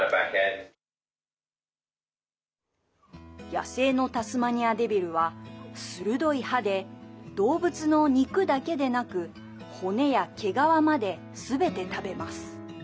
野生のタスマニアデビルは鋭い歯で、動物の肉だけでなく骨や毛皮まで、すべて食べます。